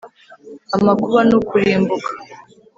amakuba n’ukurimbuka;